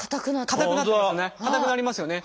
硬くなりますよね。